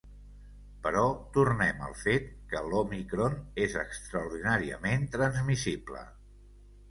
Però tornem al fet que l’òmicron és extraordinàriament transmissible.